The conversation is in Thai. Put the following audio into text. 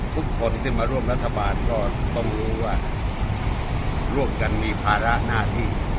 ทุกคนที่มาร่วมรัฐบาลก็ต้องรู้ว่าร่วมกันมีภาระหน้าที่